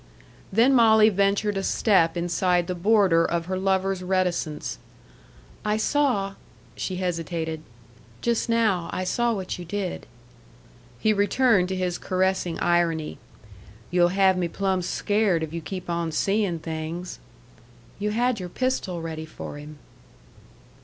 Then Molly ventured a step inside the border of her lover's reticence. "I saw " she hesitated, "just now, I saw what you did." He returned to his caressing irony. "You'll have me plumb scared if you keep on seein' things." "You had your pistol ready for him."